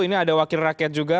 ini ada wakil rakyat juga